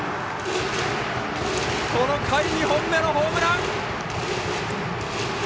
この回、２本目のホームラン！